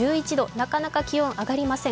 なかなか気温上がりません。